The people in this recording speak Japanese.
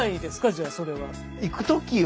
じゃそれは。